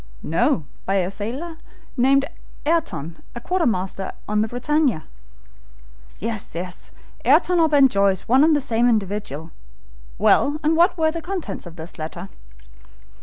"No, by a sailor called Ayrton, a quartermaster on the BRITANNIA." "Yes, Ayrton or Ben Joyce, one and the same individual. Well, and what were the contents of this letter?"